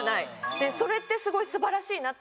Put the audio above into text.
でそれってすごい素晴らしいなって。